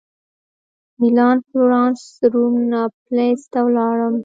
مېلان فلورانس روم ناپلز ته ولاړم.